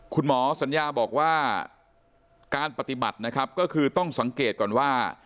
คุณหมอสัญญาบอกว่าการปฏิบัตินะครับก็คือต้องสังเกตก่อนว่า